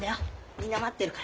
みんな待ってるから。